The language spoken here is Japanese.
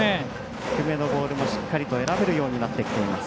低めのボールもしっかりと選べるようになってきています。